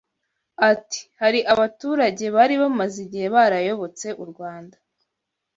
Ati “Hari abaturage bari bamaze igihe barayobotse u Rwanda